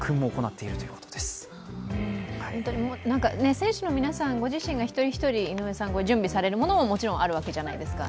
選手の皆さん、ご自身が一人一人準備されるものももちろんあるわけじゃないですか。